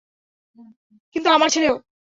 কিন্তু আমার ছেলে ও।